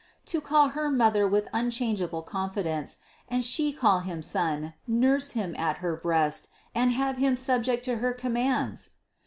To call her Mother with unchangeable confidence, and She to call Him Son, nurse Him at her breast and have Him subject to her commands!